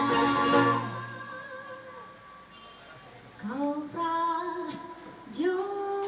kerajaan yang lebih baik